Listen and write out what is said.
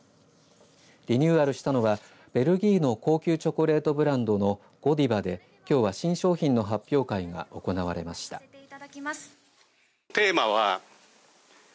リニューアルしたのはベルギーの高級チョコレートブランドのゴディバで、きょうは新商品の発表会が行われました。